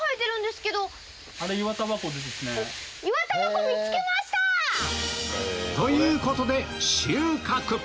イワタバコ見つけました！ということで収穫！